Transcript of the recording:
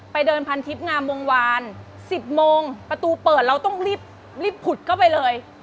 เดินพันทิพย์งามวงวาน๑๐โมงประตูเปิดเราต้องรีบผุดเข้าไปเลย